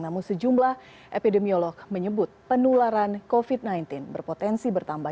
namun sejumlah epidemiolog menyebut penularan covid sembilan belas berpotensi bertambah